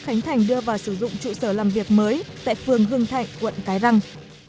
khánh thành đưa vào sử dụng trụ sở làm việc mới tại phường hưng thạnh quận cái răng